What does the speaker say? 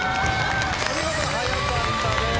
お見事早かったです！